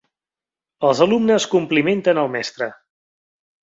Els alumnes complimenten el mestre.